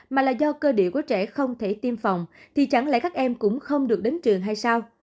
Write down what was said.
mà là do cơ địa của trẻ không thể tiêm phòng thì chẳng lẽ các em cũng không được đến trường hay sao